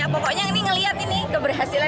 pokoknya ini ngelihat ini keberhasilan